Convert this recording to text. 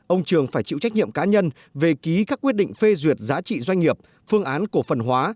ông trường phải chịu trách nhiệm cá nhân về ký các quyết định phê duyệt giá trị doanh nghiệp phương án cổ phần hóa